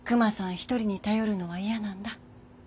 一人に頼るのは嫌なんだ。